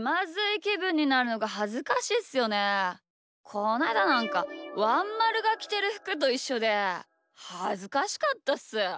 こないだなんかワンまるがきてるふくといっしょではずかしかったっす。